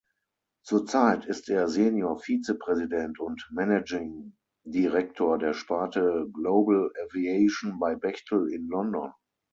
Zurzeit ist er Senior-Vize-Präsident und Managing-Direktor der Sparte Global Aviation bei Bechtel in London.